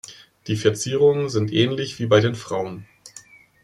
Die Verzierungen sind ähnlich wie bei den Frauen.